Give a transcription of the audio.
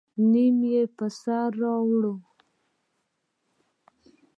نيم يې په سر واړوه.